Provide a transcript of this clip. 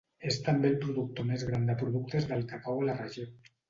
És també el productor més gran de productes del cacau a la regió.